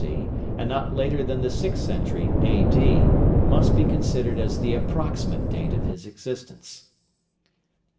C., and not later than the sixth century A.D., must be considered as the approximate date of his existence.